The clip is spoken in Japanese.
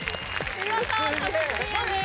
見事壁クリアです。